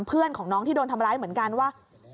เพื่อนของน้องที่โดนทำร้ายเหมือนกันว่า